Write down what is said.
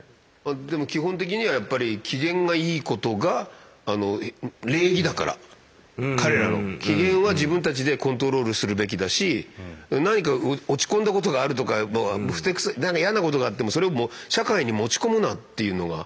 でも基本的にはやっぱり機嫌がいいことがあの礼儀だから彼らの。機嫌は自分たちでコントロールするべきだし何か落ち込んだことがあるとかもうあのふて腐何か嫌なことがあってもそれをもう社会に持ち込むなっていうのが。